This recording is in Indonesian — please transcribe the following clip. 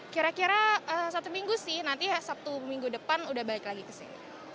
kira kira satu minggu sih nanti ya sabtu minggu depan udah balik lagi kesini